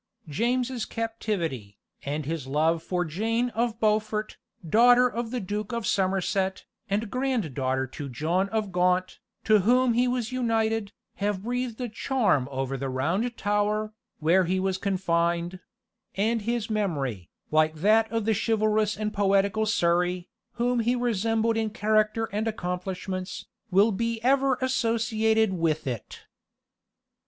James's captivity, and his love for Jane of Beaufort, daughter of the Duke of Somerset, and granddaughter to John of Gaunt, to whom he was united, have breathed a charm over the Round Tower, where he was confined; and his memory, like that of the chivalrous and poetical Surrey, whom he resembled in character and accomplishments, will be ever associated with it.